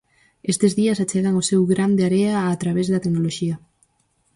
Estes días achegan o seu gran de area a través da tecnoloxía.